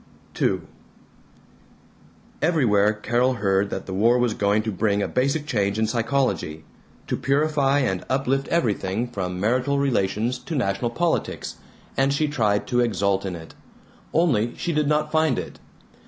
II Everywhere Carol heard that the war was going to bring a basic change in psychology, to purify and uplift everything from marital relations to national politics, and she tried to exult in it. Only she did not find it.